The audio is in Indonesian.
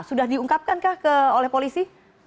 sudah diungkapkan oleh polisi